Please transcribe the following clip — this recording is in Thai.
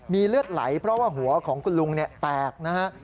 มีเลือดไหลเพราะว่าหัวของคุณลุงแตกนะฮะ